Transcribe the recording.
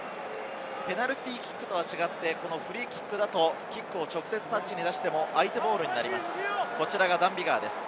ペナルティーキックとは違って、フリーキックだとキックを直接タッチに出しても相手ボールになります。